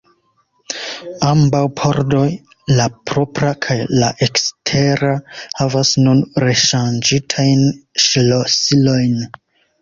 Ambaŭ pordoj, la propra kaj la ekstera, havas nun reŝanĝitajn ŝlosilojn.